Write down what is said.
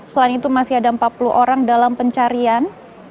selain itu masih ada empat puluh orang dalam pencarian